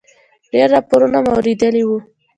ډېر راپورونه مو اورېدلي و.